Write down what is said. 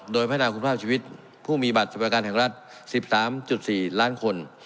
โดยพัฒนาคุณภาพชีวิตผู้มีบัตรสวัสดิการแห่งรัฐ๑๓๔ล้านคน